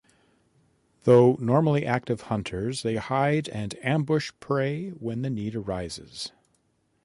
Though normally active hunters, they hide and ambush prey when the need arises.